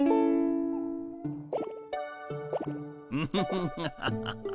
フフフハハハハ。